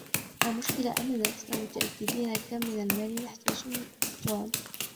المشكلة اننا لسنا متأكدين كم من المال يحتاج توم